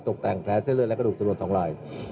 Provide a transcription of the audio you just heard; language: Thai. ตกแต่งแพ้เส้นเหลือและกระดูกสนุน๒ราย